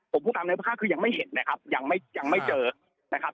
ผมพูดตามในภาพคือยังไม่เห็นนะครับยังไม่ยังไม่เจอนะครับ